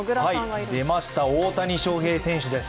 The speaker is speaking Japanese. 出ました、大谷翔平選手です。